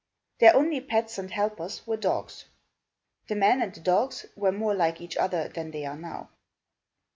Their only pets and helpers were dogs. The men and the dogs were more like each other than they are now.